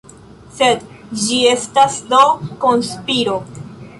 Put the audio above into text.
Sed ĝi estas do konspiro!